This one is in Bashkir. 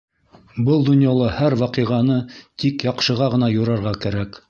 Был донъяла һәр ваҡиғаны тик яҡшыға ғына юрарға кәрәк.